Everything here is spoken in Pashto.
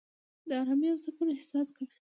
د آرامۍ او سکون احساس کوې.